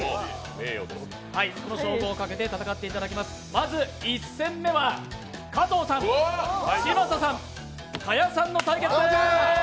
まず１戦目は加藤さん、嶋佐さん賀屋さんの対決です。